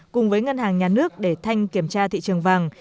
cùng với ngân hàng nhà nước để thanh kiểm tra thị trường vàng